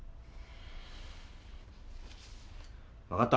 わかった。